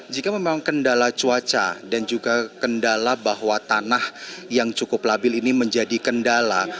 jika memang kendala cuaca dan juga kendala bahwa tanah yang cukup labil ini menjadi kendala